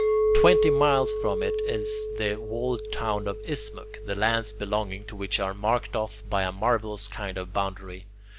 Twenty miles from it is the walled town of Ismuc, the lands belonging to which are marked off by a marvellous kind of boundary.